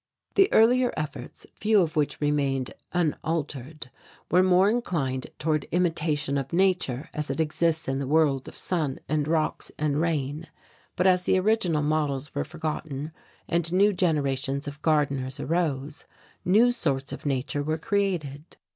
The earlier efforts, few of which remained unaltered, were more inclined toward imitation of Nature as it exists in the world of sun and rocks and rain. But, as the original models were forgotten and new generations of gardeners arose, new sorts of nature were created.